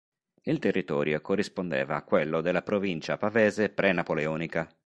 Il territorio corrispondeva a quello della provincia pavese pre-napoleonica.